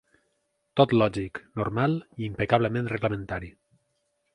Tot lògic, normal i impecablement reglamentari.